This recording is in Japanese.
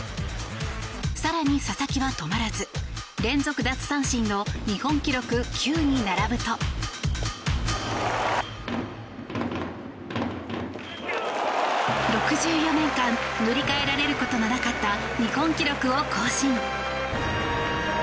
更に、佐々木は止まらず連続奪三振の日本記録９に並ぶと６４年間塗り替えられることのなかった日本記録を更新。